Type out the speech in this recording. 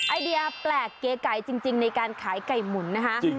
ไอเดียแปลกเก๋ไก่จริงในการขายไก่หมุนนะคะ